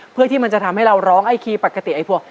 เพื่อที่มันจะทำให้เราร้องไอคีย์ปกติไอ้พวก